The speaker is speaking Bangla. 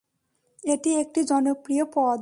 এটি একটি জনপ্রিয় পদ।